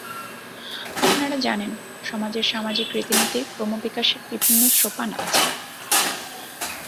আপনারা জানেন, সমাজের সামাজিক রীতিনীতির ক্রমবিকাশের বিভিন্ন সোপান আছে।